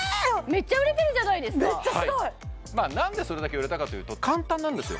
めっちゃ売れてるじゃないですか何でそれだけ売れたかというと簡単なんですよ